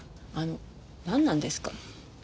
あのなんなんですか？